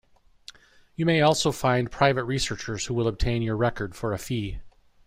You may also find private researchers who will obtain your record for a fee.